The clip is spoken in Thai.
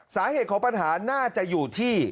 สาเหตุของปัญหาน่าจะอยู่ที่